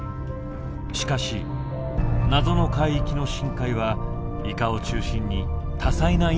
しかし謎の海域の深海はイカを中心に多彩な命であふれていた。